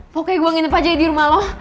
pokoknya gue nginep aja di rumah lo